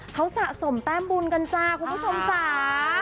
เขาสะสมแต้มบุญกันจ้าคุณผู้ชมจ้า